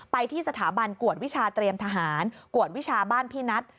ไปที่สถาบันกวดวิชาเตรียมทหารกวดวิชาบ้านพี่นัท